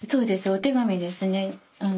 お手紙ですね。